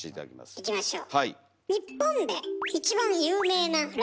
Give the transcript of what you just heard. いきましょう。